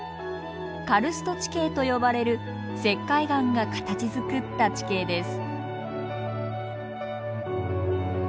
カルスト地形と呼ばれる石灰岩が形づくった地形です。